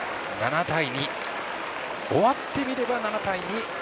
終わってみれば７対２。